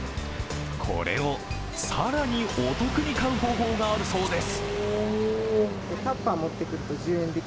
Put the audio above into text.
これを、更にお得に買う方法があるそうです。